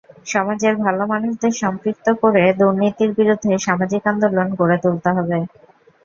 সমাজের ভালো মানুষদের সম্পৃক্ত করে দুর্নীতির বিরুদ্ধে সামাজিক আন্দোলন গড়ে তুলতে হবে।